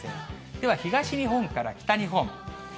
では東日本から北日本。